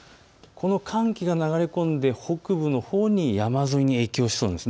寒気が流れ込んで北部のほうに山沿いに影響しそうなんです。